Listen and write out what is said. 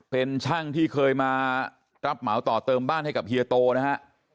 เป็นช่างที่เคยมารับเหมาต่อเติมบ้านให้กับเฮียโตนะฮะ